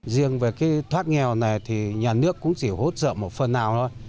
riêng về cái thoát nghèo này thì nhà nước cũng chỉ hỗ trợ một phần nào thôi